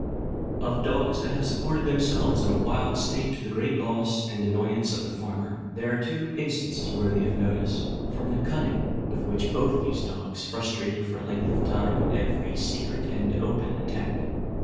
Of dogs that have supported themselves in a wild state, to the great loss and annoyance of the farmer, there are two instances worthy of notice, from the cunning with which both these dogs frustrated, for a length of time, every secret and open attack.